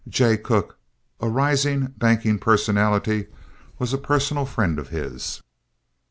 Jay Cooke, a rising banking personality, was a personal friend of his.